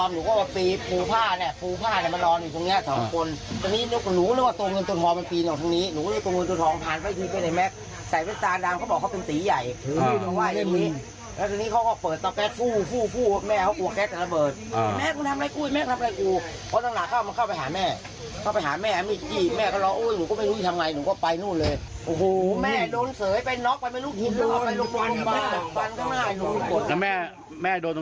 แม้จะระเบิดแม้เฎินทำไรกูเกิดเข้า